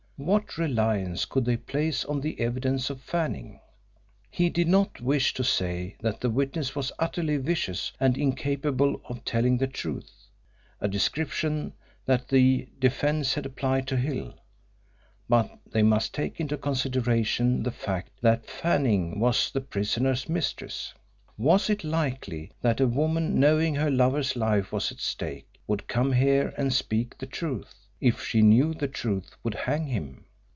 What reliance could they place on the evidence of Fanning? He did not wish to say that the witness was utterly vicious and incapable of telling the truth a description that the defence had applied to Hill but they must take into consideration the fact that Fanning was the prisoner's mistress. Was it likely that a woman, knowing her lover's life was at stake, would come here and speak the truth, if she knew the truth would hang him?